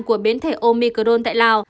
của biến thể omicron tại lào